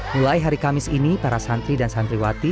mulai hari kamis ini para santri dan santriwati